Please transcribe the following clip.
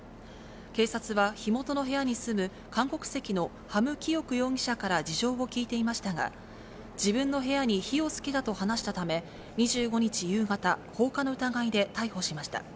警察は火元の部屋に住む韓国籍のハム・キオク容疑者から事情を聴いていましたが、自分の部屋に火をつけたと話したため、２５日夕方、放火の疑いで逮捕しました。